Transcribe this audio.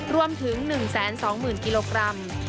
รวมถึง๑๒๐๐๐กิโลกรัม